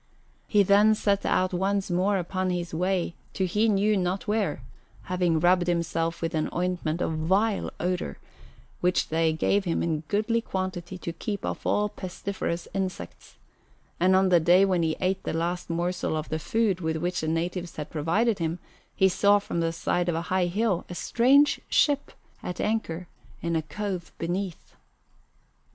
He then set out once more upon his way to he knew not where, having rubbed himself with an ointment of vile odour, which they gave him in goodly quantity to keep off all pestiferous insects, and on the day when he ate the last morsel of the food with which the natives had provided him he saw from the side of a high hill a strange ship at anchor in a cove beneath.